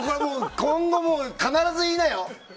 今後、必ず言いなよ。